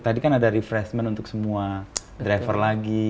tadi kan ada refreshment untuk semua driver lagi